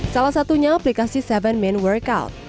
salah satunya aplikasi tujuh min workout